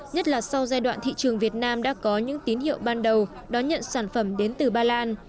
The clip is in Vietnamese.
nhất là sau giai đoạn thị trường việt nam đã có những tín hiệu ban đầu đón nhận sản phẩm đến từ ba lan